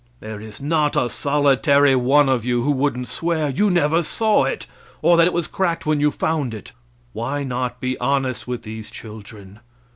There is not a solitary one of you who wouldn't swear you never saw it, or that it was cracked when you found it. Why not be honest with these children?